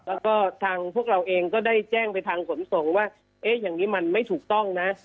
แล้วก็ทางพวกเราเองก็ได้แจ้งไปทางขนส่งว่าเอ๊ะอย่างนี้มันไม่ถูกต้องนะ